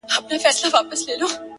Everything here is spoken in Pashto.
خالونه دي د ستورو له کتاره راوتلي”